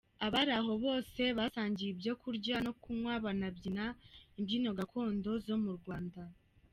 Abari aho bose basangiye ibyo kurya no kunywa banabyina imbyino gakondo zo mu Rwanda.